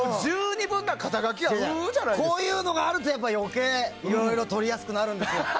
こういうのがあると、余計いろいろ取りやすくなるんだよ。